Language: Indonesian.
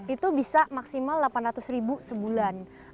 itu bisa maksimal delapan ratus ribu sebulan